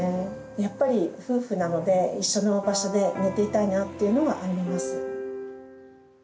やっぱり、夫婦なので一緒の場所で寝ていたいなっていうのはあります。